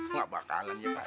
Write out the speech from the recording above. enggak bakalan ya pak